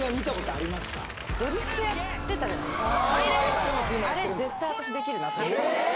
あれ絶対私できるなと思ってえ！